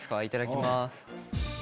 いただきます。